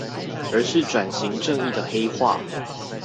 而是轉型正義的黑話